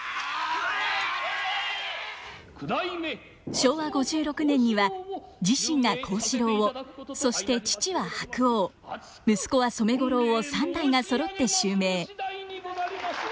昭和５６年には自身が幸四郎をそして父は白鸚息子は染五郎を三代がそろって襲名。